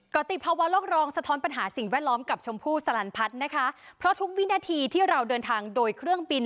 ติภาวะโลกรองสะท้อนปัญหาสิ่งแวดล้อมกับชมพู่สลันพัฒน์นะคะเพราะทุกวินาทีที่เราเดินทางโดยเครื่องบิน